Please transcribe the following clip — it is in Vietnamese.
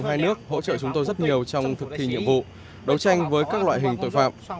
hai nước hỗ trợ chúng tôi rất nhiều trong thực thi nhiệm vụ đấu tranh với các loại hình tội phạm